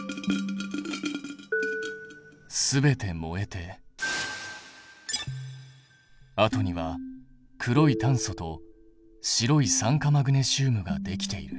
全て燃えてあとには黒い炭素と白い酸化マグネシウムができている。